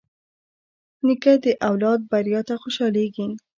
نیکه د اولاد بریا ته خوشحالېږي.